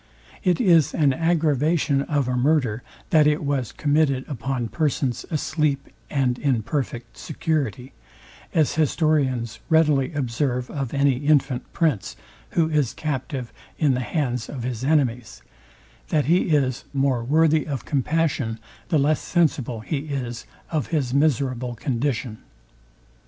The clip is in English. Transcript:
It is an aggravation of a murder, that it was committed upon persons asleep and in perfect security; as historians readily observe of any infant prince, who is captive in the hands of his enemies, that he is the more worthy of compassion the less sensible he is of his miserable condition.